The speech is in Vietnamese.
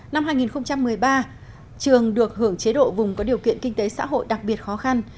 năm hai nghìn một mươi ba trường được hưởng chế độ vùng có điều kiện kinh tế xã hội đặc biệt khó khăn